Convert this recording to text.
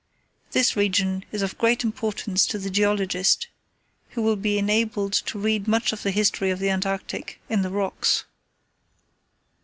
This region is of great importance to the geologist, who will be enabled to read much of the history of the Antarctic in the rocks.